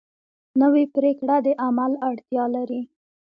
نوې پریکړه د عمل اړتیا لري